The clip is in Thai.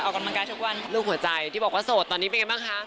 ออกกำลังกายทุกวันรูปหัวใจที่บอกว่าโสดตอนนี้เป็นไงบ้างคะ